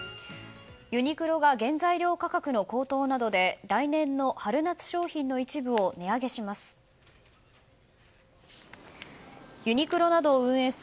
ユニクロが原材料価格の高騰で来年の春夏商品の一部を値上げします。